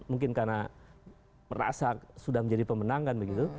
mungkin karena merasa sudah menjadi pemenangan begitu